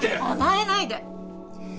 甘えないで！！